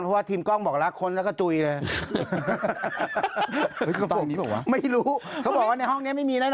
เพราะว่าทีมกล้องบอกแล้วค้นแล้วก็จุยเลย